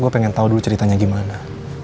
gue pengen tahu dulu ceritanya gimana